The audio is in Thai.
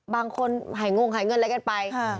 บางคนหายงงหายเงินอะไรกันไป